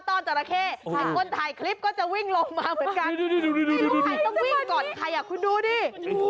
ทิชลูกใครต้องวิ่งก่อนใครอ่ะคุณดูนี่